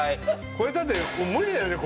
これだって無理だよね